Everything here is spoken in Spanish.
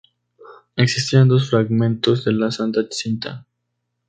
Existían dos fragmentos de la Santa Cinta.